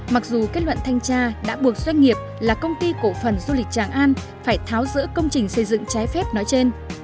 mặc dù kết luận thanh tra đã buộc doanh nghiệp là công ty cổ phần du lịch tràng an phải tháo rỡ công trình xây dựng trái phép nói trên